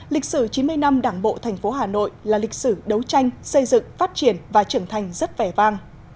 lịch sử chín mươi năm đảng bộ thành phố hà nội là lịch sử đấu tranh xây dựng phát triển và trưởng thành rất vẻ vang